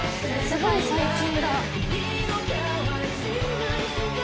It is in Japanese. すごい最近だ。